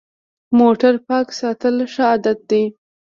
موټر پاک ساتل ښه عادت دی.